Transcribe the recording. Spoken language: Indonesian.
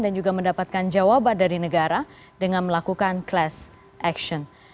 dan juga mendapatkan jawaban dari negara dengan melakukan class action